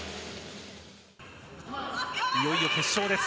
いよいよ決勝です。